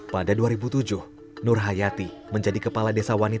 pada dua ribu tujuh nur hayati menjadi kepala desa wanita